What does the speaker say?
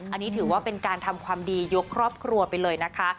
อันนี้ถือว่าเป็นการทำความดียกครอบครัวไปเลยนะคะ